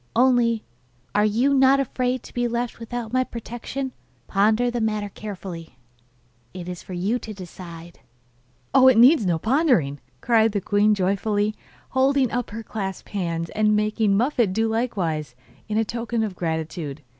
Only, are you not afraid to be left without my protection? Ponder the matter carefully; it is for you to decide.' 'Oh, it needs no pondering,' cried the queen joyfully, holding up her clasped hands, and making Muffette do likewise, in token of gratitude.